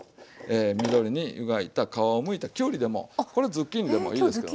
緑に湯がいた皮をむいたきゅうりでもこれズッキーニでもいいですよ。